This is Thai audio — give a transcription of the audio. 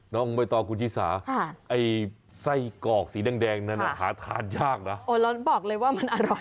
น้องใบตองคุณชิสาไอ้ไส้กรอกสีแดงนั้นหาทานยากนะโอ้แล้วบอกเลยว่ามันอร่อย